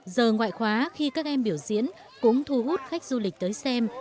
giờ ngoại khóa khi các em biểu diễn cũng thu hút khách du lịch tới xem